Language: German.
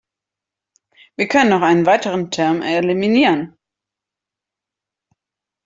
Wir können noch einen weiteren Term eliminieren.